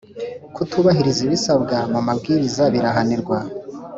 kutubahiriza ibisabwa mu mabwiriza birahanirwa